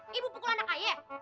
ibu pukul anak kaya